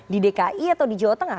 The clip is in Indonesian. di dki atau di jawa tengah